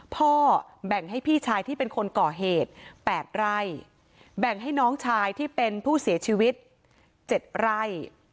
พ่อแบ่งให้พี่ชายที่เป็นคนก่อเหตุ๘ไร่แบ่งให้น้องชายที่เป็นผู้เสียชีวิต๗ไร่